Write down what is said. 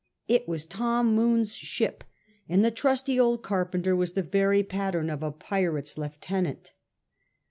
It was Tom Moone's ship, and the trusty old carpenter was the very pattern of a pirate's lieutenant.